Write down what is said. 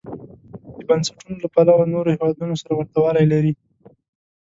د بنسټونو له پلوه نورو هېوادونو سره ورته والی لري.